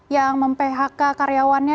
yang mem phk karyawannya